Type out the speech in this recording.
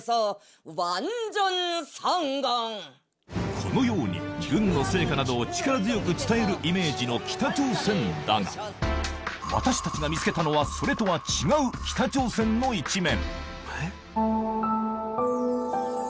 このように、軍の成果などを力強く伝えるイメージの北朝鮮だが、私たちが見つけたのは、それとは違う北朝鮮の一面。